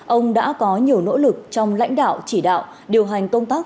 ông đã có nhiều nỗ lực trong lãnh đạo chỉ đạo điều hành công tác